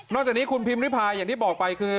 จากนี้คุณพิมริพายอย่างที่บอกไปคือ